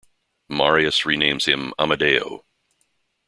Marius renames him Amadeo.